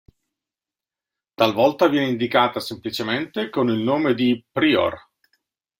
Talvolta viene indicata semplicemente con il nome di Pryor.